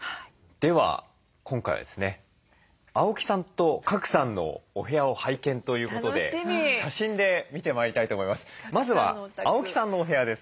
では今回はですね青木さんと賀来さんのお部屋を拝見ということで写真で見てまいりたいと思います。